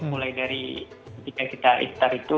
mulai dari ketika kita istar itu